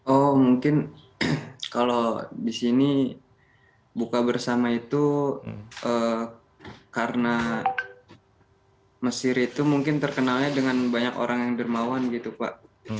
oh mungkin kalau di sini buka bersama itu karena mesir itu mungkin terkenalnya dengan banyak orang yang dermawan gitu pak